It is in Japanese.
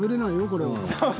これは。